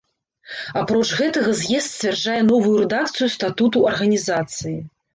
Апроч гэтага з'езд сцвярджае новую рэдакцыю статуту арганізацыі.